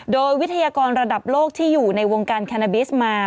โดยวิทยากรระดับโลกที่อยู่ในวงการแคนาบิสมา